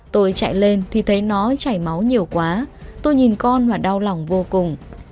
tôi chạy lên thì thấy nó chảy máu nhiều quá tôi nhìn con và đau lòng vô cùng